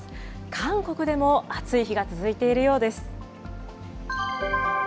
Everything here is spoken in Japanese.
韓国でも暑い日が続いているようです。